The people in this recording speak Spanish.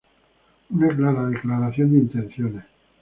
Una clara declaración de intenciones.